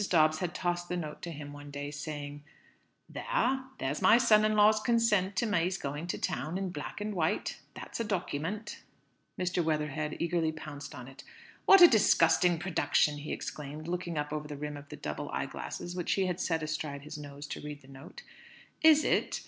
Dobbs had tossed the note to him one day, saying "There; there's my son in law's consent to May's going to town, in black and white. That's a document." Mr. Weatherhead eagerly pounced on it. "What a disgusting production!" he exclaimed, looking up over the rim of the double eyeglass which he had set astride his nose to read the note. "Is it?"